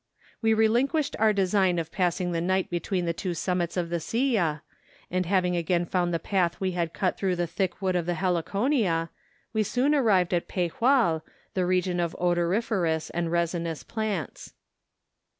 We relinquished our design of passing the night between the two summits of the Silla, and having again found the path we had cut through 286 MOUNTAIN ADVENTURES. the thick wood of the heliconia, we soon arrived at Pejual, the region of odoriferous and resinous plants.